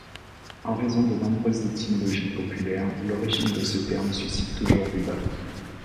En raison de nombreuses étymologies populaires, l'origine de ce terme suscite toujours débat.